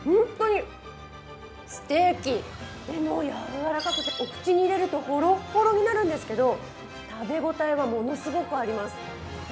でも、やわらかくてお口に入れるとホロホロになるんですけど食べ応えはものすごくあります。